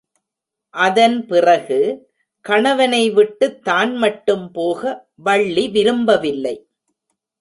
அதன் பிறகு கணவனை விட்டுத் தான் மட்டும் போக வள்ளி விரும்பவில்லை.